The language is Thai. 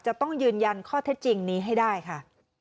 จะต้องยืนยันข้อเท็จจริงนี้ให้ได้ค่ะ